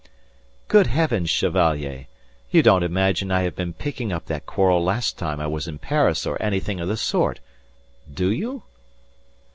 "Good heavens, Chevalier! You don't imagine I have been picking up that quarrel last time I was in Paris or anything of the sort. Do you?"